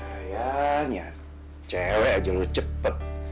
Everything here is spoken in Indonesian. ayahnya cewek aja lu cepet